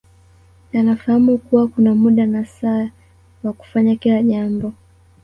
Anafahamu kuwa kuna muda na saa wa kufanya kila jambo